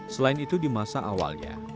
selain itu di masa awalnya